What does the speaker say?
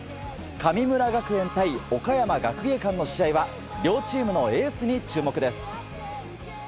神村学園対岡山学芸館の試合は両チームのエースに注目です。